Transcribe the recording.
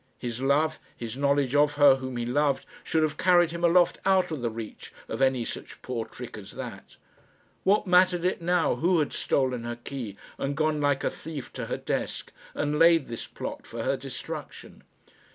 His love, his knowledge of her whom he loved, should have carried him aloft out of the reach of any such poor trick as that! What mattered it now who had stolen her key, and gone like a thief to her desk, and laid this plot for her destruction?